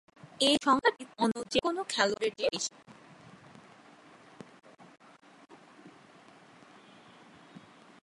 এ সংখ্যাটি অন্য যে-কোন খেলোয়াড়ের চেয়ে বেশি।